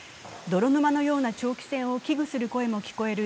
泥沼のような長期戦を危惧する声も聞こえる